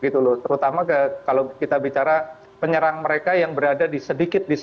terutama kalau kita bicara penyerang mereka yang berada di sedikit